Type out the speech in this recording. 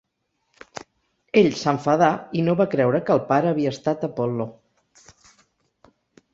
Ell s'enfadà, i no va creure que el pare havia estat Apol·lo.